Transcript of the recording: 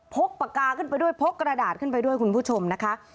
กปากกาขึ้นไปด้วยพกกระดาษขึ้นไปด้วยคุณผู้ชมนะคะ